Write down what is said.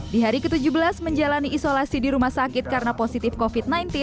di hari ke tujuh belas menjalani isolasi di rumah sakit karena positif covid sembilan belas